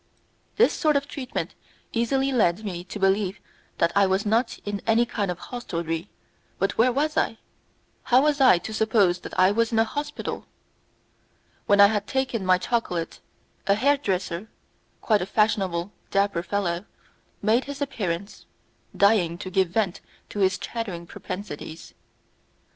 This sort of treatment easily led me to believe that I was not in any kind of hostelry; but where was I? How was I to suppose that I was in a hospital? When I had taken my chocolate, a hair dresser quite a fashionable, dapper fellow made his appearance, dying to give vent to his chattering propensities.